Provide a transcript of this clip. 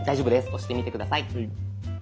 押してみて下さい。